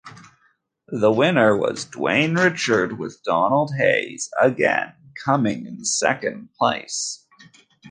The winner was Dwayne Richard with Donald Hayes again coming in second place.